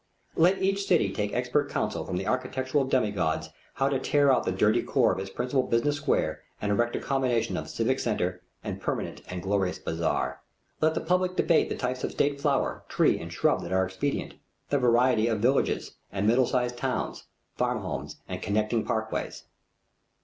Let each city take expert counsel from the architectural demigods how to tear out the dirty core of its principal business square and erect a combination of civic centre and permanent and glorious bazaar. Let the public debate the types of state flower, tree, and shrub that are expedient, the varieties of villages and middle sized towns, farm homes, and connecting parkways.